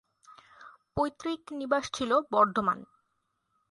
পৈতৃক নিবাস ছিল বর্ধমান।